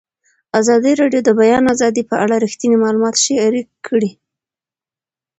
ازادي راډیو د د بیان آزادي په اړه رښتیني معلومات شریک کړي.